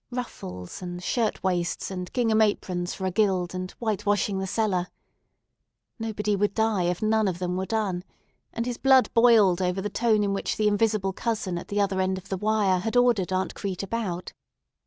Ruffles, and shirt waists, and gingham aprons for a guild, and whitewashing the cellar! Nobody would die if none of them were done, and his blood boiled over the tone in which the invisible cousin at the other end of the wire had ordered Aunt Crete about.